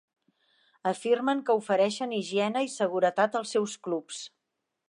Afirmen que ofereixen higiene i seguretat als seus clubs.